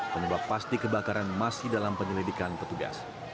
penyebab pasti kebakaran masih dalam penyelidikan petugas